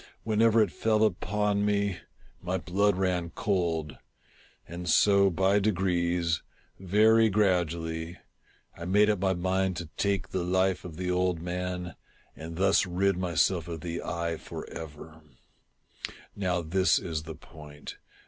Whenever it fell upon me, my blood ran cold ; and so by degrees — very gradually — I made up my mind to take the life of the old man, and thus rid myself of the ^ eye for ever, Now this is the point.